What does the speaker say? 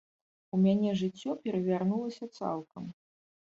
У мяне жыццё перавярнулася цалкам.